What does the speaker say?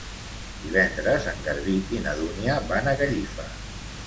Divendres en Garbí i na Dúnia van a Gallifa.